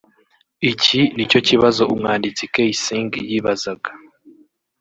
Iki nicyo kibazo umwanditsi Kaysing yibazaga